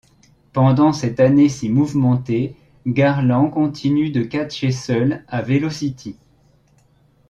Pendant cette année si mouvementée, Garland continu de catcher seul à Velocity.